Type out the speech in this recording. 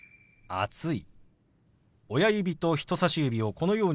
「暑い」。